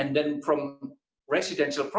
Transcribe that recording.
dan kemudian dari